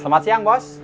selamat siang bos